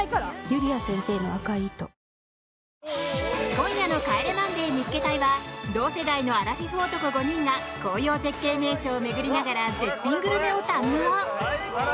今夜の「帰れマンデー見っけ隊！！」は同世代のアラフィフ男５人が紅葉絶景名所を巡りながら絶品グルメを堪能。